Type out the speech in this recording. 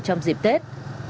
trong dịp tết